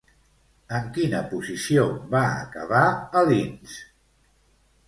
En quina posició va acabar a Linz?